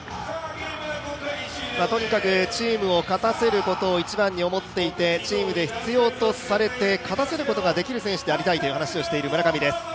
とにかくチームを勝たせることを一番に思っていて、チームで必要とされて勝たせることができる選手でありたいと話している村上です。